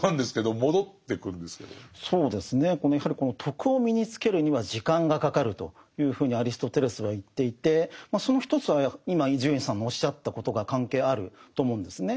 そうですねやはりこの「徳」を身につけるには時間がかかるというふうにアリストテレスは言っていてその一つは今伊集院さんのおっしゃったことが関係あると思うんですね。